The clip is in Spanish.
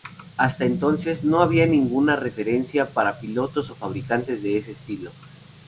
Hasta entonces, no había ninguna referencia para pilotos o fabricantes de ese estilo.